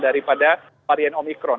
daripada varian omikron